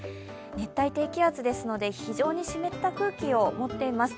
熱帯低気圧ですので、非常に湿った空気を持っています。